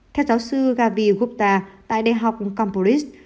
theo giáo sư gavi gupta tại đại học cambridge